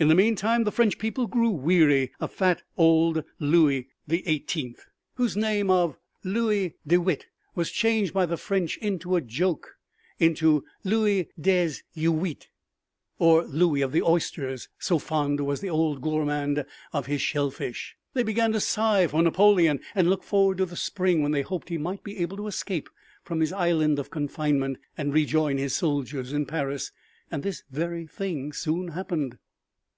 In the meantime the French people grew weary of fat old Louis the Eighteenth, whose name of "Louis Dix Huit" was changed by the French as a joke into "Louis Des Huitres," or Louis of the Oysters, so fond was the old gourmand of his shellfish. They began to sigh for Napoleon and look forward to the spring when they hoped he might be able to escape from his island of confinement and rejoin his soldiers in Paris. And this very thing soon happened.